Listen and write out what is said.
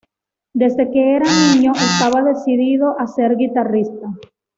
Desde que era niño estaba decidido a ser guitarrista.